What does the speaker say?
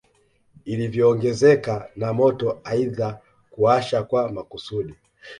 Ilivyoongezeka na moto aidha kuwashwa kwa makusudi